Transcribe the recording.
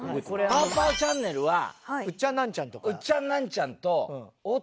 『パオパオチャンネル』はウッチャンナンチャンと大竹まことさん。